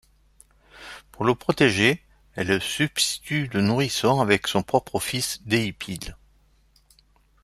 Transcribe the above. Pour le protéger, elle substitue le nourrisson avec son propre fils Déipyle.